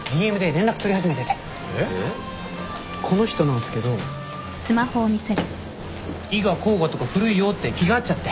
この人なんすけど伊賀甲賀とか古いよって気が合っちゃって。